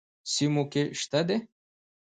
سیموکې شته دي.